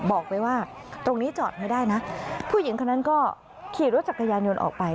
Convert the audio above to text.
บอกไปว่าตรงนี้จอดไม่ได้นะผู้หญิงคนนั้นก็ขี่รถจักรยานยนต์ออกไป